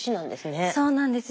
そうなんです。